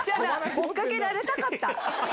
追っかけられたかった。